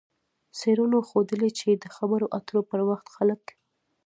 څېړنو ښودلې چې د خبرو اترو پر وخت خلک